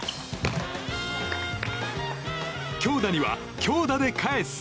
強打には強打で返す！